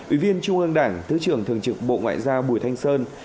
ủy viên trung ương đảng thứ trưởng thường trực bộ ngoại giao bùi thanh sơn